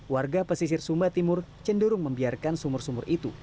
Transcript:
warga pesisir sumba timur cenderung membiarkan sumur sumur itu